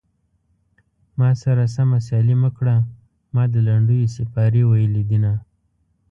ما سره سمه سيالي مه کړه ما د لنډيو سيپارې ويلي دينه